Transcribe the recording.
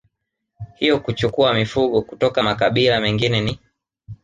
hiyo kuchukua mifugo kutoka makabila mengine ni